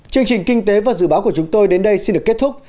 chương trình kinh tế và dự báo của chúng tôi đến đây xin được kết thúc